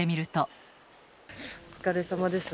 お疲れさまです。